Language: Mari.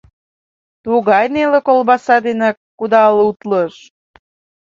Тугай неле колбаса денак кудал утлыш.